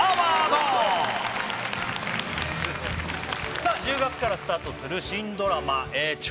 さあ１０月からスタートする新ドラマ超